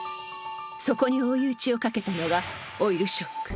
そこに追い打ちをかけたのがオイルショック。